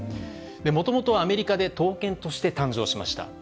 もともとアメリカで闘犬として誕生しました。